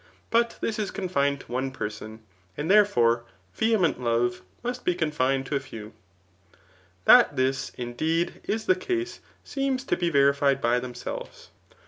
But this is confined to one person ; and, therefore, vehement love must be cm^ned to a few* That this, indeed, is the case, seems to be ve* rifled by themselves.